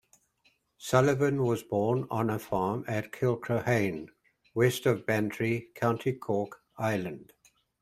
Sullivan was born on a farm at Kilcrohane, west of Bantry, County Cork, Ireland.